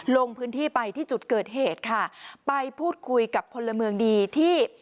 ลงพื้นที่ไปที่จุดเกิดเหตุค่ะไปพูดคุยกับพลเมืองดีที่